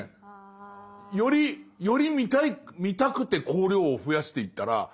よりより見たくて光量を増やしていったら。